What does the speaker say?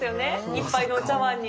一杯のお茶碗に。